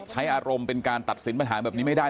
ใช้อารมณ์เป็นการตัดสินปัญหาแบบนี้ไม่ได้